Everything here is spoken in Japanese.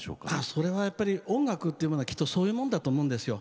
それはやっぱり音楽というものはきっとそういうものだと思うんですよ。